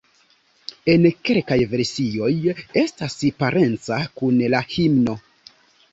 En kelkaj versioj estas parenca kun la himno.